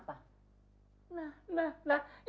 nah nah nah